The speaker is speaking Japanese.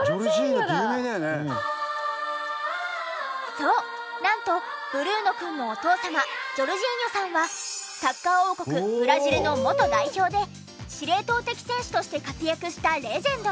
そうなんとブルーノくんのお父様ジョルジーニョさんはサッカー王国ブラジルの元代表で司令塔的選手として活躍したレジェンド。